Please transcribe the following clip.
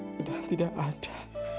sudah tidak ada